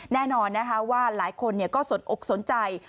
แน่นอนนะคะว่าหลายคนก็สนอกสนใจ